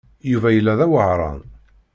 Yuba yella d aweɛṛan.